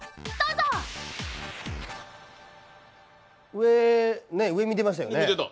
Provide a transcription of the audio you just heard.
更に上見てましたよね。